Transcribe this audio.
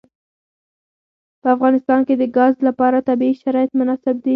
په افغانستان کې د ګاز لپاره طبیعي شرایط مناسب دي.